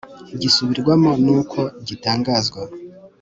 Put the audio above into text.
gisubirwamo n uko gitangazwa